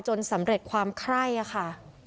จนสำเร็จความไคร่อะค่ะ